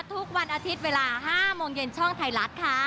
ทุกวันอาทิตย์เวลา๕โมงเย็นช่องไทยรัฐค่ะ